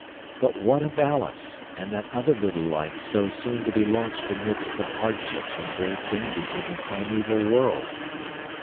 But what of Alice, and that other little life so soon to be launched amidst the hardships and grave dangers of a primeval world?